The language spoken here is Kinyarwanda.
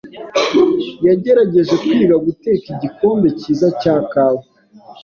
yagerageje kwiga guteka igikombe cyiza cya kawa.